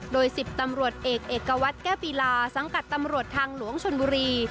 โดย๑๐ตำรวจเอกเอกวัตรแก้วปีลาสังกัดตำรวจทางหลวงชนบุรี